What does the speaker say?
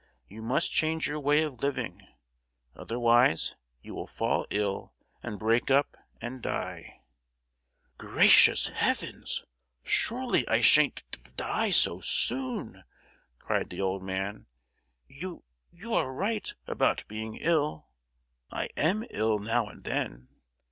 You must change your way of living; otherwise you will fall ill, and break up, and die!" "Gracious heavens! Surely I shan't d—die so soon?" cried the old man. "You—you are right about being ill; I am ill now and then.